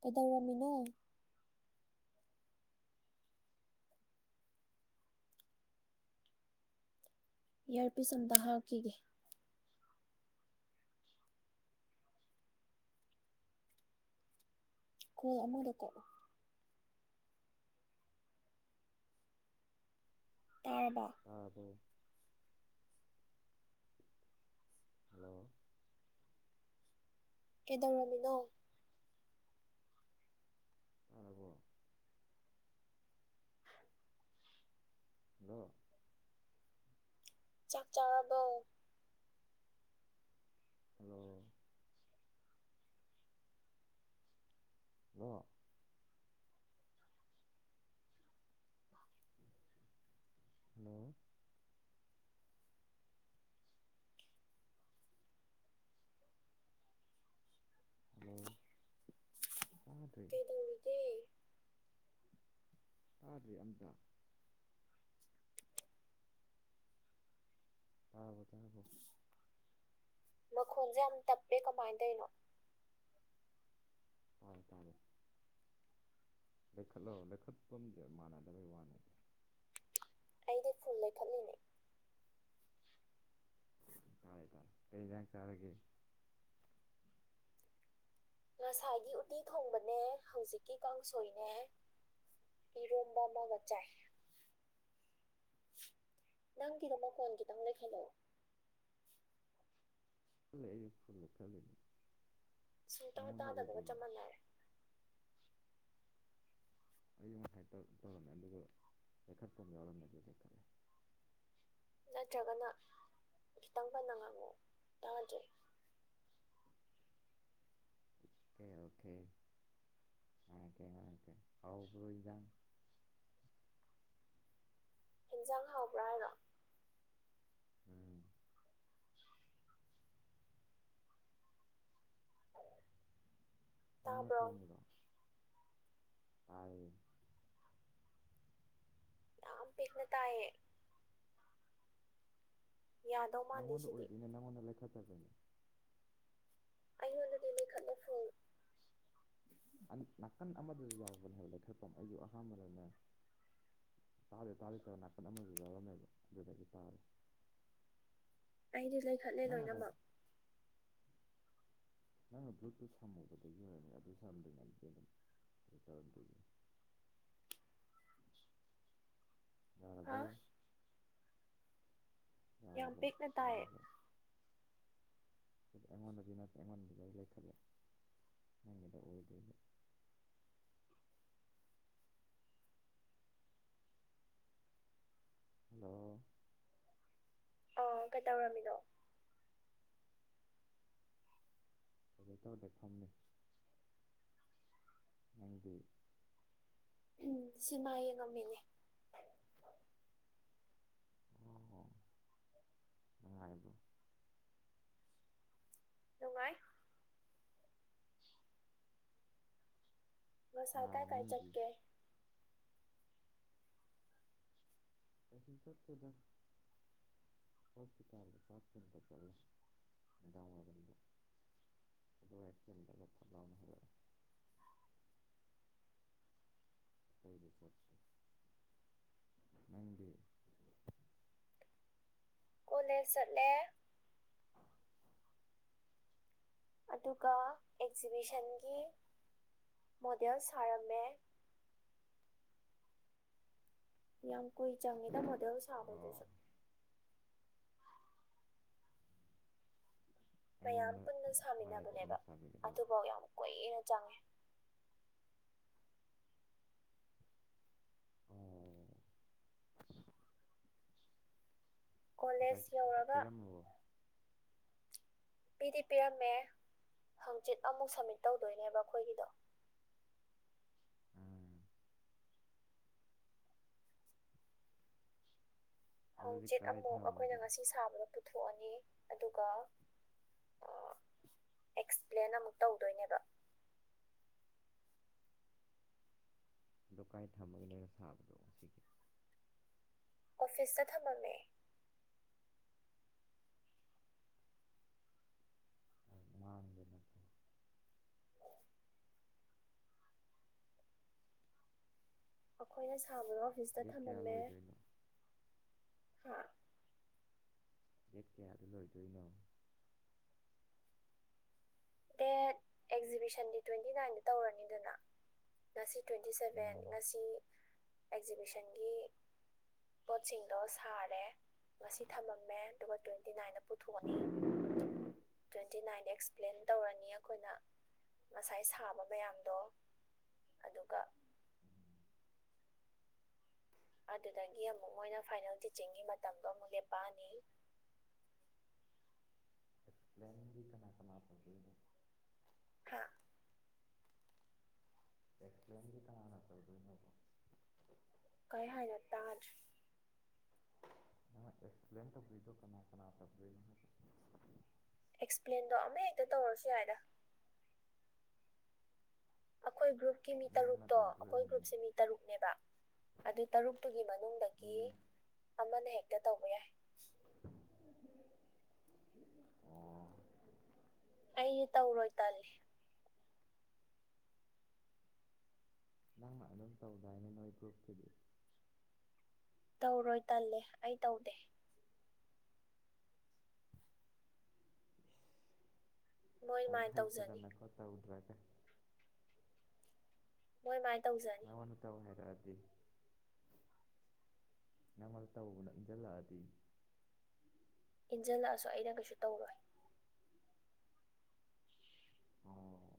ꯀꯩꯗꯧꯔꯝꯃꯤꯅꯣ ꯌꯔꯄꯤꯁ ꯑꯝꯇ ꯍꯥꯞꯈꯤꯒꯦ ꯀꯣ ꯑꯃꯗ ꯀꯣꯛ ꯇꯥꯔꯕ ꯇꯥꯔꯕꯣ ꯍꯂꯣ ꯀꯩꯗꯧꯔꯝꯃꯤꯅꯣ ꯇꯥꯔꯕꯣ ꯍꯜꯂꯣ ꯆꯥꯛ ꯆꯥꯔꯕꯣ ꯍꯜꯂꯣ ꯑꯣ ꯍꯜꯂꯣ ꯍꯜꯂꯣ ꯇꯥꯗ꯭ꯔꯦ ꯀꯩꯗꯧꯔꯤꯒꯦ ꯇꯥꯗ꯭ꯔꯦ ꯑꯝꯇ ꯇꯥꯕ꯭ꯔꯣ ꯇꯥꯕ꯭ꯔꯣ ꯃꯈꯣꯜꯁꯦ ꯌꯥꯝ ꯇꯞꯄꯦ ꯀꯃꯥꯏ ꯇꯩꯅꯣ ꯇꯥꯔꯦ ꯇꯥꯔꯦ ꯂꯩꯈꯠꯂꯣ ꯂꯩꯈꯠꯄꯝꯁꯦ ꯃꯥꯟꯅꯗꯕꯩ ꯃꯥꯅꯦ ꯑꯩꯗꯤ ꯐꯨꯜ ꯂꯩꯈꯠꯂꯤꯅꯦ ꯇꯥꯔꯦ ꯇꯥꯔꯦ ꯀꯩ ꯖꯥꯡ ꯆꯥꯔꯒꯦ ꯉꯁꯥꯏꯒꯤ ꯎꯇꯤ ꯊꯣꯡꯕꯅꯦ ꯍꯧꯖꯤꯛꯀꯤ ꯀꯥꯡꯁꯣꯏꯅꯦ ꯏꯔꯣꯝꯕ ꯑꯃꯒ ꯆꯥꯏ ꯅꯪꯒꯤꯗ ꯃꯈꯣꯟ ꯈꯤꯇꯪ ꯂꯩꯈꯠꯂꯣ ꯈꯠꯂꯦ ꯑꯩ ꯐꯨꯜ ꯂꯩꯈꯠꯂꯦ ꯁꯨꯡꯇ ꯇꯥꯗꯕꯒ ꯆꯞ ꯃꯥꯟꯅꯔꯦ ꯑꯩ ꯉꯁꯥꯏ ꯇꯧ ꯇꯧꯔꯝꯃꯦ ꯑꯗꯨꯒ ꯂꯩꯩꯈꯠꯐꯝ ꯌꯥꯎꯔꯝꯃꯦ ꯑꯗꯨ ꯂꯩꯈꯠꯂꯦ ꯅꯠꯇ꯭ꯔꯒꯅ ꯈꯤꯇꯪ ꯀꯟꯅ ꯉꯥꯡꯉꯛꯑꯣ ꯇꯥꯗ꯭ꯔꯦ ꯑꯣꯀꯦ ꯑꯣꯀꯦ ꯉꯥꯡꯉꯛꯀꯦ ꯉꯥꯡꯉꯛꯀꯦ ꯍꯥꯎꯕ꯭ꯔꯣ ꯏꯗꯥ [inaudible] ꯍꯤꯟꯖꯥꯡ ꯍꯥꯎꯕ꯭ꯔꯥ ꯍꯥꯏꯔꯣ [inaudible] ꯅꯪꯅ ꯇꯥꯕ꯭ꯔꯣ ꯊꯣꯡꯉꯤꯔꯣ ꯇꯥꯏꯌꯦ ꯌꯥꯝ ꯄꯤꯛꯅ ꯇꯥꯏꯌꯦ ꯌꯥꯗꯧ ꯃꯥꯟꯗꯦ ꯅꯪꯉꯣꯟꯗ ꯁꯤꯗꯤ ꯑꯣꯏꯗꯣꯏꯅꯦ ꯅꯪꯉꯣꯟꯗ ꯂꯩꯈꯠꯇꯕꯩꯅꯦ ꯑꯩꯉꯣꯟꯗꯗꯤ ꯂꯩꯈꯠꯂꯦ ꯐꯨꯜ ꯅꯥꯀꯟ ꯑꯃꯗꯁꯨ ꯌꯥꯎꯕꯅꯦꯕ ꯂꯩꯈꯠꯄꯝ ꯑꯩꯁꯨ ꯑꯍꯥꯟꯕꯗꯅꯦ ꯇꯥꯗꯦ ꯇꯥꯗꯦ ꯇꯧꯔ ꯅꯀꯟ ꯑꯃꯁꯨ ꯌꯥꯎꯔꯝꯃꯦꯕ ꯑꯗꯨꯗꯒꯤ ꯇꯥꯔꯦ ꯑꯩꯗꯤ ꯂꯩꯈꯠꯂꯦ ꯅꯪ ꯉꯁꯥꯏ ꯂꯣꯏꯅꯃꯛ ꯅꯪꯅ ꯕ꯭ꯂꯨꯇꯨꯠ ꯁꯝꯃꯨꯕꯗꯒꯤ ꯑꯣꯏꯔꯅꯦ ꯑꯗꯨ ꯁꯝꯗ꯭ꯔꯤꯉꯩꯗꯤ ꯑꯗꯨꯝ ꯒꯤꯇꯔꯗꯤ [unintelligible] ꯍꯥ ꯌꯥꯔꯕꯣ ꯌꯥꯝ ꯌꯥꯔꯕꯣ ꯄꯤꯛꯅ ꯇꯥꯏꯌꯦ ꯇꯥꯔꯕꯣ ꯑꯩꯉꯣꯟꯗꯗꯤ ꯅꯠꯇꯦ ꯑꯩꯉꯣꯟꯗꯗꯤ ꯂꯣꯢ ꯂꯩꯈꯠꯂꯦ ꯅꯪꯒꯤꯗ ꯑꯣꯏꯗꯣꯢꯕ ꯍꯜꯂꯣ ꯑꯥ ꯀꯩꯗꯧꯔꯝꯃꯤꯅꯣ ꯀꯩꯁꯨꯝ ꯇꯧꯗꯦ ꯐꯝꯃꯤ ꯅꯪꯗꯤ ꯎꯝ ꯁꯤꯃꯥ ꯌꯦꯡꯉꯝꯃꯤꯅꯦ ꯎꯝ ꯎꯝ ꯅꯨꯡꯉꯥꯏꯕ꯭ꯔꯣ ꯅꯨꯡꯉꯥꯏ ꯀꯅꯥ ꯉꯁꯥꯏ ꯀꯥꯏ ꯀꯥꯏ ꯃꯃꯤꯡꯗꯤ ꯆꯠꯀꯦ ꯀꯩꯁꯨ ꯆꯠꯇꯦꯗ ꯍꯣꯁꯄꯤꯇꯥꯜꯗ ꯆꯥꯛ ꯊꯤꯟꯕ ꯆꯠꯂꯤ ꯅꯨꯡꯗꯥꯡꯋꯥꯢꯔꯝꯗꯣ ꯑꯗꯨ ꯍꯦꯛ ꯊꯤꯟꯕꯒ ꯐꯠ ꯂꯥꯎ ꯍꯜꯂꯛꯑꯦ [inaudible] [unintelligible] ꯀꯣꯂꯦꯖ ꯆꯠꯂꯦ ꯑꯗꯨꯒ ꯑꯦꯛꯖꯤꯕꯤꯁꯟꯒꯤ ꯃꯣꯗꯦꯜ ꯁꯥꯔꯝꯃꯦ ꯌꯥꯝ ꯀꯨꯏ ꯆꯪꯉꯦꯗ ꯃꯣꯗꯦꯜ ꯁꯥꯥꯕꯒꯤꯁꯨ ꯑꯣ ꯃꯌꯥꯝ ꯑꯩꯉꯣꯟꯗ ꯄꯨꯟꯅ ꯍꯥꯏꯔꯗꯤ ꯁꯥꯃꯤꯟꯅꯕꯅꯦꯕ ꯑꯩꯅ ꯁꯥꯕꯤꯒꯗꯕ ꯑꯗꯨꯕꯧ ꯌꯥꯝ ꯀꯨꯏꯅ ꯆꯪꯉꯦ ꯑꯣ ꯉꯁꯥꯏ ꯀꯣꯂꯦꯖ ꯌꯧꯔꯒ ꯍꯥꯏꯕꯤꯔꯝꯃꯕꯣ ꯄꯤꯗꯤ ꯄꯤꯔꯝꯃꯦ ꯍꯪꯆꯤꯠ ꯑꯃꯨꯛ ꯁꯝꯃꯤꯠ ꯇꯧꯗꯣꯏꯅꯦꯕ ꯑꯈꯣꯏꯒꯤꯗꯣ ꯎꯝ ꯑꯗꯨꯗꯤ ꯍꯪꯆꯤꯠ ꯀꯗꯥꯏ ꯑꯃꯨꯛ ꯑꯩꯈꯣꯏꯅ ꯊꯝꯃꯒꯦ ꯉꯁꯤ ꯁꯥꯕꯗꯣ ꯄꯨꯊꯣꯛꯑꯅꯤ ꯑꯗꯨꯒ ꯑꯥ ꯑꯦꯛꯁꯄ꯭ꯂꯦꯟ ꯑꯃꯨꯛ ꯇꯧꯗꯣꯏꯅꯦꯕ ꯗꯨ ꯀꯥꯏ ꯊꯝꯃꯒꯦ ꯂꯩꯔ ꯁꯥꯕꯗꯣ ꯑꯁꯤꯒꯤ ꯑꯣꯐꯤꯁꯇ ꯊꯝꯃꯝꯃꯦ ꯃꯥꯡꯗꯅꯀꯣ ꯑꯈꯣꯏꯅ ꯁꯥꯕꯗꯣ ꯑꯣꯐꯤꯁꯇ ꯗꯦꯠ ꯀꯌꯥ ꯊꯝꯃꯝꯃꯦ ꯂꯣꯏꯗꯣꯏꯅꯣ ꯍꯥ ꯗꯦꯠ ꯀꯌꯥꯗ ꯂꯣꯏꯗꯣꯏꯅꯣ ꯗꯦꯠ ꯑꯦꯛꯖꯤꯕꯤꯁꯟꯗꯤ ꯇ꯭ꯋꯦꯟꯇꯤ ꯅꯥꯏꯟꯗ ꯇꯧꯔꯅꯤꯗꯅ ꯉꯁꯤ ꯇ꯭ꯋꯦꯟꯇꯤ ꯁꯚꯦꯟ ꯎꯝ ꯉꯁꯤ ꯑꯦꯛꯖꯤꯕꯤꯁꯟꯒꯤ ꯄꯣꯠꯁꯤꯡꯗꯣ ꯁꯥꯔꯦ ꯉꯁꯤ ꯊꯅꯝꯃꯦ ꯑꯗꯨꯒ ꯇ꯭ꯋꯦꯟꯇꯤ ꯅꯥꯏꯟꯗ ꯄꯨꯊꯣꯛꯑꯅꯤ ꯇ꯭ꯋꯦꯟꯇꯤ ꯅꯥꯏꯟꯗ ꯑꯦꯛꯁꯄ꯭ꯂꯦꯟ ꯇꯧꯔꯅꯤ ꯑꯈꯣꯏꯅ ꯉꯁꯥꯏ ꯁꯥꯕ ꯃꯌꯥꯝꯗꯣ ꯑꯗꯨꯒ ꯑꯗꯨꯗꯒꯤ ꯑꯃꯨꯛ ꯃꯣꯏꯅ ꯐꯥꯏꯅꯦꯜ ꯇꯤꯆꯤꯡꯒꯤ ꯃꯇꯝꯗꯣ ꯑꯃꯨꯛ ꯂꯦꯞꯄꯛꯑꯅꯤ [inaudible] ꯑꯦꯛꯁꯄ꯭ꯂꯦꯟꯗꯤ ꯀꯅꯥ ꯀꯅꯥ ꯇꯧꯗꯣꯢꯅꯣ ꯍꯥ ꯑꯦꯛꯁꯄ꯭ꯂꯦꯟꯗꯤ ꯀꯅꯥꯅ ꯇꯧꯗꯣꯢꯅꯣꯕ ꯀꯩ ꯍꯥꯏꯅꯣ ꯇꯥꯗ꯭ꯔꯦ ꯅꯪꯅ ꯑꯦꯛꯁꯄ꯭ꯂꯦꯟ ꯇꯧꯕꯩꯗꯣ ꯀꯅꯥ ꯀꯅꯥ ꯇꯧꯗꯣꯢꯅꯣ ꯍꯥꯏꯕ ꯑꯦꯛꯁꯄ꯭ꯂꯦꯟꯗꯣ ꯑꯃ ꯍꯦꯛꯇ ꯇꯧꯔꯁꯨ ꯌꯥꯏꯗ ꯑꯩꯈꯣꯏ ꯒ꯭ꯔꯨꯞꯀꯤ ꯃꯤ ꯅꯪꯅ ꯇꯔꯨꯛꯇꯣ ꯇꯧꯗꯣꯏ ꯑꯩꯈꯣꯏ ꯑꯣꯏꯔꯝꯅꯤ ꯒ꯭ꯔꯨꯞꯁꯦ ꯃꯤ ꯇꯔꯨꯛꯅꯦꯕ ꯑꯗꯨ ꯇꯔꯨꯛꯇꯨꯒꯤ ꯃꯅꯨꯡꯗꯒꯤ ꯎꯝ ꯑꯃꯅ ꯍꯦꯛꯇ ꯇꯧꯕ ꯌꯥꯏ ꯑꯣ ꯑꯩ ꯇꯧꯔꯣꯏ ꯇꯜꯂꯦ ꯅꯪꯅ ꯑꯗꯨꯝ ꯇꯧꯗꯥꯏꯅꯦ ꯅꯣꯏ ꯒ꯭ꯔꯨꯞꯀꯤꯗꯤ ꯎꯔꯣꯏ ꯇꯜꯂꯦ ꯑꯩ ꯇꯧꯗꯦ ꯃꯣꯏ ꯑꯣ ꯃꯥꯏ ꯇꯧꯖꯅꯤ ꯍꯩꯇꯗꯅ ꯀꯣ ꯇꯧꯗ꯭ꯔꯦ ꯍꯣꯏ ꯃꯥ ꯅꯪꯉꯣꯟ ꯇꯧ ꯍꯥꯏꯔꯛꯑꯗꯤ [inaudible] ꯅꯪꯉꯣꯟꯗ ꯇꯧꯅ ꯏꯟꯖꯜꯂꯛꯑꯗꯤ ꯏꯟꯖꯜꯂꯛꯑꯁꯨ ꯑꯩꯅ ꯀꯩꯁꯨ ꯇꯧꯔꯣꯏ ꯑꯣ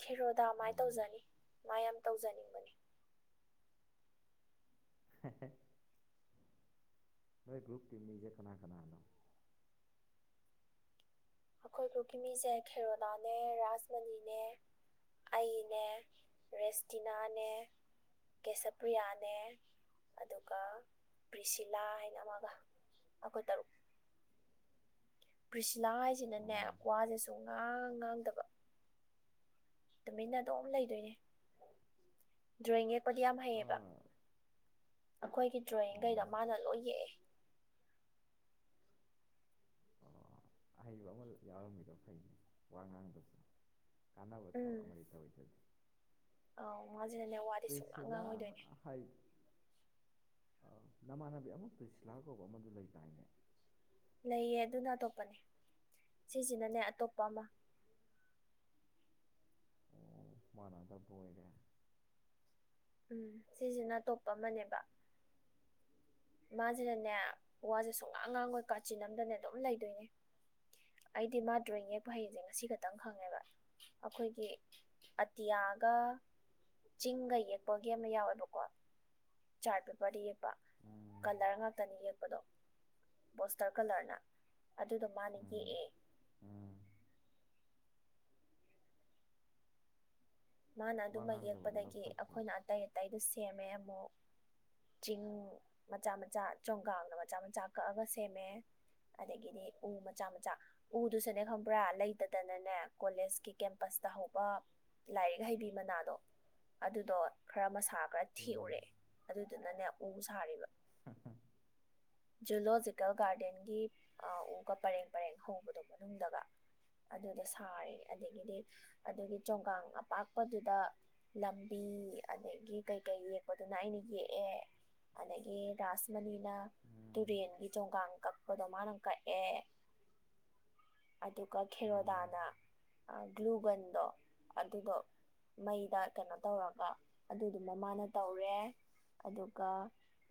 ꯈꯦꯔꯣꯗꯥ ꯃꯥꯏ ꯑꯣ ꯇꯧꯖꯅꯤ ꯃꯥ ꯌꯥꯝ ꯇꯧꯖꯅꯤꯡꯕꯅꯤ [unintelligible] ꯅꯣꯏ ꯒ꯭ꯔꯨꯨꯞꯀꯤ ꯃꯤꯖꯦ ꯀꯅꯥ ꯀꯅꯥꯅꯣ ꯑꯩꯈꯣꯏ ꯒ꯭ꯔꯨꯞꯀꯤ ꯃꯤꯁꯦ ꯈꯦꯔꯣꯗꯥꯅꯦ ꯔꯥꯖꯃꯅꯤꯅꯦ ꯑꯩꯅꯦ ꯔꯦꯁꯇꯤꯅꯥꯅꯦ ꯀꯦꯁꯄ꯭ꯔꯤꯌꯥꯅꯦ ꯑꯗꯨꯒ ꯕ꯭ꯔꯤꯁꯤꯂꯥ ꯍꯥꯏꯅ ꯑꯃꯒ ꯑꯈꯣꯏ ꯇꯔꯨꯛ ꯄ꯭ꯔꯤꯁꯤꯂꯥ ꯍꯥꯏꯁꯤꯅꯅꯦ ꯋꯥꯁꯦ ꯁꯨꯉꯥꯡ ꯉꯥꯡꯗꯕ ꯇꯨꯃꯤꯟꯅ ꯑꯗꯨꯝ ꯂꯩꯗꯣꯏꯅꯦ ꯗ꯭ꯔꯣꯌꯤꯡ ꯌꯦꯛꯄꯗꯤ ꯌꯥꯝ ꯍꯩꯌꯦꯕ ꯑꯥ ꯑꯩꯈꯣꯏꯒꯤ ꯗ꯭ꯔꯣꯌꯤꯡꯒꯩꯗꯣ ꯃꯥꯅ ꯂꯣꯏ ꯌꯦꯛꯑꯦ ꯑꯍꯩꯕ ꯑꯃ ꯌꯥꯎꯔꯝꯃꯤꯗꯣ ꯐꯩꯅꯦ ꯋꯥ ꯉꯥꯡꯗ꯭ꯔꯁꯨ ꯀꯥꯟꯅꯕ ꯊꯕꯛ ꯎꯝ ꯑꯃꯗꯤ ꯇꯧꯔꯤꯗꯨꯗꯤ ꯑꯧ ꯃꯥꯁꯤꯅꯅꯦ ꯋꯥꯗꯤ ꯁꯨꯡꯉꯥꯡ ꯄ꯭ꯔꯤꯁꯤꯂꯥ ꯉꯥꯡꯉꯣꯏꯗꯣꯏꯅꯦ ꯍꯥꯏ ꯑ ꯅꯃꯥꯟꯅꯕꯤ ꯑꯃ ꯇ꯭ꯔꯤꯁꯤꯜꯂꯥ ꯀꯧꯕ ꯑꯃꯗꯨ ꯂꯩꯗꯥꯏꯅꯦ ꯂꯩꯌꯦ ꯑꯗꯨꯅ ꯑꯇꯣꯞꯄꯅꯦ ꯁꯤꯁꯤꯅꯅꯦ ꯑꯇꯣꯞꯄ ꯑꯃ ꯑꯣ ꯃꯥꯟꯅꯗꯕ ꯑꯣꯏꯔꯦ ꯎꯝ ꯁꯤꯁꯤꯅ ꯑꯇꯣꯞꯄ ꯑꯃꯅꯦꯕ ꯃꯥꯁꯤꯅꯅꯦ ꯋꯥꯁꯦ ꯁꯨꯡꯉꯥꯡ ꯉꯥꯡꯉꯣꯏ ꯀꯥꯆꯤꯟ ꯑꯝꯗꯅꯦ ꯑꯗꯨꯝ ꯂꯩꯗꯣꯏꯅꯦ ꯑꯩꯗꯤ ꯃꯥ ꯗ꯭ꯔꯣꯌꯤꯡ ꯌꯦꯛꯄ ꯍꯩꯁꯦ ꯉꯁꯤ ꯈꯛꯇꯪ ꯈꯪꯉꯦꯕ ꯑꯈꯣꯏꯒꯤ ꯑꯇꯤꯌꯥꯒ ꯆꯤꯡꯒ ꯌꯦꯛꯄꯒꯤ ꯑꯃ ꯌꯥꯎꯋꯦꯕꯀꯣ ꯆꯥꯔꯠ ꯄꯦꯄꯔꯗ ꯌꯦꯛꯄ ꯎꯝ ꯀꯂꯔ ꯉꯥꯛꯇꯅꯤ ꯌꯦꯛꯄꯗꯣ ꯄꯣꯁꯇꯔ ꯀꯂꯔꯅ ꯑꯗꯨꯗꯣ ꯃꯥꯅ ꯎꯝ ꯌꯦꯛꯑꯦ ꯎꯝ ꯃꯥꯅ ꯋꯥ ꯑꯗꯨꯃ ꯉꯥꯡꯗꯕꯗꯨꯅ ꯌꯦꯛꯄꯗꯒꯤ ꯐꯠꯇ꯭ꯔꯣ ꯑꯩꯈꯣꯏꯅ ꯑꯇꯩ ꯑꯇꯩꯗꯨ ꯁꯦꯝꯃꯦ ꯑꯃꯨꯛ ꯆꯤꯡ ꯃꯆꯥ ꯃꯆꯥ ꯆꯣꯡꯒꯥꯡꯅ ꯃꯆꯥ ꯃꯆꯥ ꯀꯛꯑꯒ ꯁꯦꯝꯃꯦ ꯑꯗꯒꯤꯗꯤ ꯎ ꯃꯆꯥ ꯃꯆꯥ ꯎꯗꯨꯁꯨꯅꯦ ꯈꯪꯕ꯭ꯔꯥ ꯂꯩꯇꯗꯅꯅꯦ ꯀꯣꯂꯦꯖꯀꯤ ꯀꯦꯝꯄꯁ ꯗꯍꯧꯕ ꯂꯥꯏꯔꯤꯛ ꯍꯩꯕꯤ ꯃꯅꯥꯗꯣ ꯑꯗꯨꯗꯣ ꯈ꯭ꯔ ꯃꯁꯥ ꯈ꯭ꯔ ꯎꯝ ꯊꯦꯛꯎꯔꯦ ꯑꯗꯨꯗꯨꯅꯅꯦ ꯎ ꯁꯥꯔꯤꯕ [unintelligible] ꯖꯨꯂꯣꯖꯤꯀꯦꯜ ꯒꯥꯔꯗꯦꯟꯒꯤ ꯑ ꯎꯒ ꯄꯔꯦꯡ ꯄꯔꯦꯡ ꯍꯧꯕꯗꯣ ꯃꯅꯨꯡꯗꯒ ꯑꯗꯨꯗ ꯁꯥꯔꯦ ꯑꯗꯒꯤꯗꯤ ꯑꯗꯨꯒꯤ ꯆꯣꯡꯒꯥꯡ ꯄꯥꯛꯄꯗꯨꯗ ꯂꯝꯕꯤ ꯑꯗꯒꯤ ꯀꯩ ꯀꯩ ꯌꯦꯛꯄꯗꯨꯅ ꯑꯩꯅ ꯌꯦꯛꯑꯦ ꯑꯗꯒꯤ ꯔꯥꯁꯃꯅꯤꯅ ꯎꯝ ꯇꯨꯔꯦꯟꯒꯤ ꯆꯣꯡꯒꯥꯡ ꯀꯛꯄꯗꯣ ꯃꯥꯅ ꯀꯛꯑꯦ ꯑꯗꯨꯒ ꯎꯝ ꯈꯦꯔꯣꯗꯥꯅ ꯑ ꯒ꯭ꯂꯨꯒꯟꯗꯣ ꯑꯟ ꯑꯗꯨꯗꯣ ꯃꯩꯗ ꯀꯩꯅꯣ ꯇꯧꯔꯒ ꯑꯗꯨꯗꯨꯅ ꯃꯥꯅ ꯇꯧꯔꯦ ꯑꯗꯨꯒ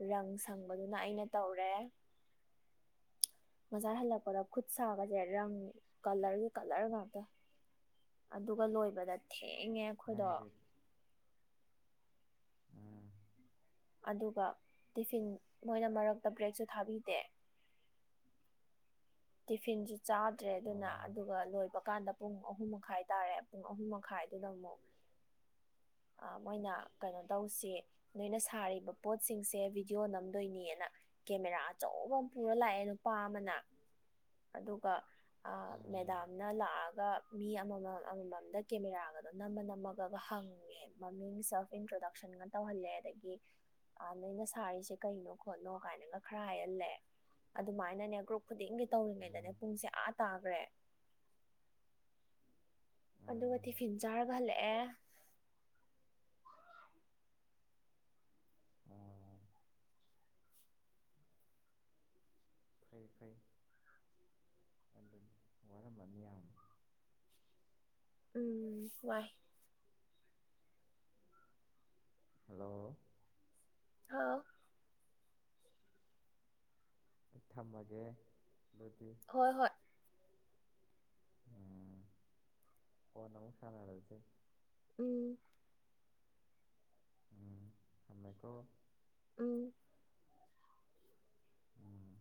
ꯔꯪ ꯁꯪꯕꯗꯨꯅ ꯑꯩꯅ ꯇꯧꯔꯦ ꯕꯖꯥꯔ ꯍꯜꯂꯛꯄꯗ ꯈꯨꯠ ꯁꯥꯒꯁꯦ ꯔꯪ ꯀꯂꯔꯒꯤ ꯀꯂꯔ ꯉꯥꯛꯇ ꯑꯗꯨꯒ ꯂꯣꯏꯕꯗ ꯊꯦꯡꯉꯦ ꯑꯩꯈꯣꯏꯗꯣ ꯅꯪꯗꯤ ꯎꯝ ꯑꯗꯨꯒ ꯇꯤꯐꯤꯟ ꯃꯣꯏꯅ ꯃꯔꯛꯇ ꯕ꯭ꯔꯦꯛꯁꯨ ꯊꯥꯕꯤꯗꯦ ꯇꯤꯐꯤꯟꯁꯨ ꯆꯥꯗ꯭ꯔꯦ ꯑꯗꯨꯅ ꯑꯣ ꯑꯗꯨꯒ ꯂꯣꯏꯕ ꯀꯥꯟꯗ ꯄꯨꯡ ꯑꯍꯨꯝ ꯃꯈꯥꯏ ꯇꯥꯔꯦ ꯄꯨꯡ ꯑꯍꯨꯝ ꯃꯈꯥꯏ ꯗꯨꯗ ꯑꯃꯨꯛ ꯑ ꯃꯣꯏꯅ ꯀꯩꯅꯣ ꯇꯧꯁꯦ ꯅꯣꯏꯅ ꯁꯥꯔꯤꯕ ꯄꯣꯠꯁꯤꯡꯁꯦ ꯚꯤꯗꯤꯑꯣ ꯅꯝꯗꯣꯏꯅꯦꯅ ꯀꯦꯃꯦꯔꯥ ꯑꯆꯧꯕ ꯑꯃ ꯄꯨꯔ ꯂꯥꯛꯑꯦ ꯅꯨꯄꯥ ꯑꯃꯅ ꯑꯗꯨꯒ ꯑ ꯎꯝ ꯃꯦꯗꯥꯝꯅ ꯂꯥꯛꯑꯒ ꯃꯤ ꯑꯃꯃꯝ ꯑꯃꯃꯝꯗ ꯀꯦꯃꯦꯔꯥꯒꯗꯣ ꯅꯝ ꯅꯝꯃ ꯅꯝꯃꯒꯒ ꯍꯪꯉꯦ ꯃꯃꯤꯡ ꯁꯦꯜꯐ ꯏꯟꯇ꯭ꯔꯗꯛꯁꯟꯒ ꯇꯧꯍꯜꯂꯦ ꯑꯗꯒꯤ ꯑ ꯅꯣꯏꯅ ꯁꯥꯔꯤꯁꯦ ꯀꯩꯅꯣ ꯈꯣꯠꯅꯣ ꯀꯥꯏꯅꯒ ꯈꯔ ꯍꯥꯏꯍꯜꯂꯦ ꯑꯗꯨꯃꯥꯏꯅꯅꯦ ꯒ꯭ꯔꯨꯞ ꯈꯨꯗꯤꯡꯒꯤ ꯇꯧꯔꯤꯉꯩꯗꯅꯦ ꯎꯝ ꯄꯨꯡꯁꯦ ꯑꯥ ꯇꯥꯒ꯭ꯔꯦ ꯑꯗꯨꯒ ꯎꯝ ꯇꯤꯐꯤꯟ ꯆꯥꯔꯒ ꯍꯜꯂꯛꯑꯦ ꯑꯣ ꯐꯩ ꯐꯩ ꯋꯥꯔꯝꯃꯅꯤ ꯌꯥꯝ ꯎꯝ ꯋꯥꯏ ꯍꯜꯂꯣ ꯍꯥꯎ ꯊꯝꯃꯒꯦ ꯍꯣꯏ ꯍꯣꯏ ꯑꯝ ꯀꯣꯟꯅ ꯑꯃꯨꯛ ꯁꯥꯟꯅꯔꯁꯦ ꯎꯝ ꯎꯝ ꯊꯝꯃꯦꯀꯣ ꯎꯝ ꯎꯝ